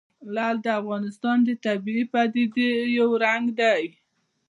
لعل د افغانستان د طبیعي پدیدو یو رنګ دی.